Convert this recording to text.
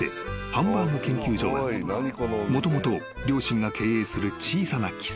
ハンバーグ研究所はもともと両親が経営する小さな喫茶店だった］